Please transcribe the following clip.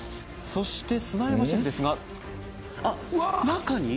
そして砂山シェフですがあっ中に？